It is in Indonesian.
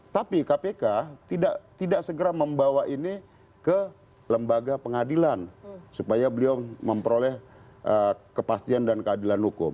tapi kpk tidak segera membawa ini ke lembaga pengadilan supaya beliau memperoleh kepastian dan keadilan hukum